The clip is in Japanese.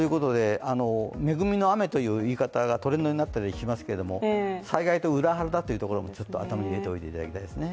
恵みの雨という言い方がトレンドになったりもしていますけれども災害と裏腹だというところをちょっと頭に入れておいていただきたいですね